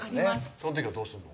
その時はどうするの？